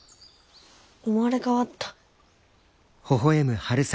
生まれ変わった。